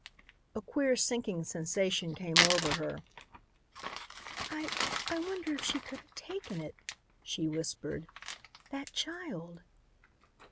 A queer sinking sensation came over her. "I I wonder if she could have taken it," she whispered, "that child?